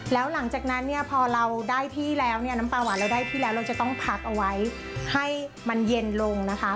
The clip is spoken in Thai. แล้วหลังจากนั้นเนี่ยพอเราได้ที่แล้วเนี่ยน้ำปลาหวานเราได้ที่แล้วเราจะต้องพักเอาไว้ให้มันเย็นลงนะคะ